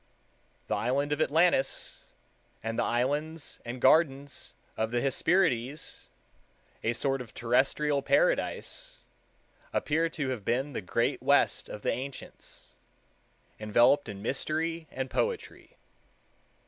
The island of Atlantis, and the islands and gardens of the Hesperides, a sort of terrestrial paradise, appear to have been the Great West of the ancients, enveloped in mystery and poetry.